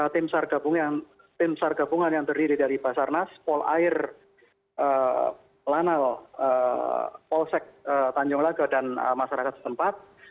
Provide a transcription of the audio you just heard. tim sar gabungan yang terdiri dari basarnas polair lanal polsek tanjung laga dan masyarakat setempat